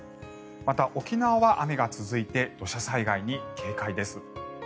また、沖縄は雨が続いて土砂災害に警戒です。